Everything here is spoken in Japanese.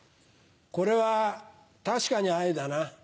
これは確かに鮎だな。